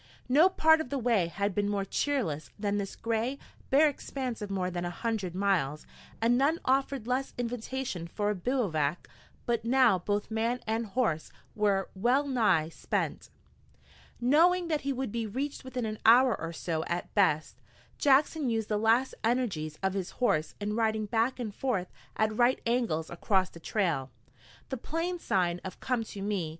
No part of the way had been more cheerless than this gray, bare expanse of more than a hundred miles, and none offered less invitation for a bivouac. But now both man and horse were well nigh spent. Knowing that he would be reached within an hour or so at best, Jackson used the last energies of his horse in riding back and forth at right angles across the trail, the Plains sign of "Come to me!"